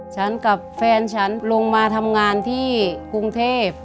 ฉันกับแฟนฉันลงมาทำงานที่กรุงเทพ